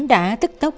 đã tức tốc